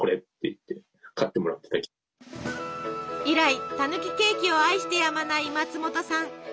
以来たぬきケーキを愛してやまない松本さん。